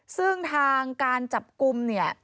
ซึ่งทางการจับกลุ้ม